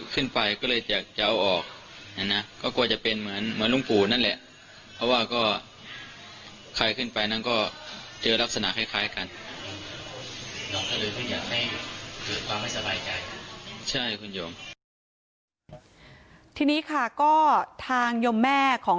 ก็กลัวจะเป็นเหมือนหลวงปู่นั่นแหละเพราะว่าก็คลายขึ้นไปนั่นก็เจอลักษณะคล้ายกัน